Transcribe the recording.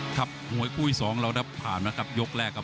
ครับโมยคู่ที่๒เราได้ผ่านแล้วกับยกแรก